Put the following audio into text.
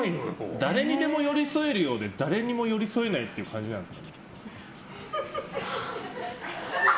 誰にでも寄り添えるようで誰にも寄り添えないって感じですか。